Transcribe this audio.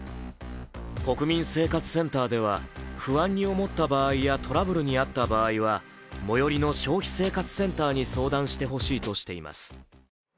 国民生活センターでは不安に思った場合やトラブルに遭った場合は最寄りの消費生活センターに相談してほしいとしています。